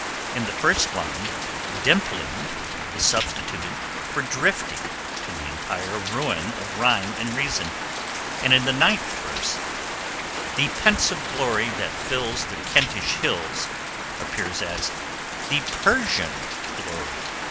In the first line 'dimpling' is substituted for 'drifting' to the entire ruin of rhyme and reason, and in the ninth verse 'the pensive glory that fills the Kentish hills' appears as 'the Persian glory